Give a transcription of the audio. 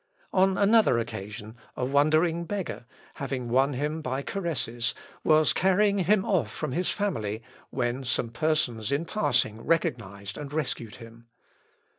On another occasion, a wandering beggar, having won him by caresses, was carrying him off from his family, when some persons in passing recognised and rescued him.